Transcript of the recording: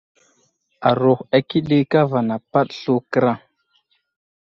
Aruhw akəɗi kava napaɗ slu kəra.